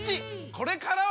これからは！